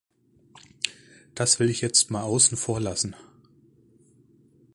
Das will ich jetzt mal außen vor lassen.